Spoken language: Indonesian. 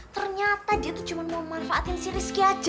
ternyata dia tuh cuma mau manfaatin si rizky aja